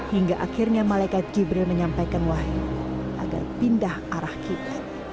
hingga akhirnya malaikat jibril menyampaikan wahyu agar pindah arah kita